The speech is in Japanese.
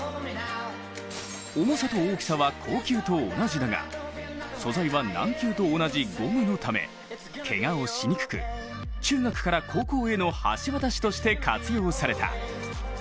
重さと大きさは硬球と同じだが、素材は軟球と同じゴムのためけがをしにくく中学から高校への橋渡しとして活用された。